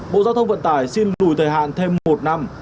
bộ giáo tâm vận tải xin lùi thời hạn thêm một năm